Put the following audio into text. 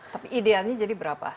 tapi idealnya jadi berapa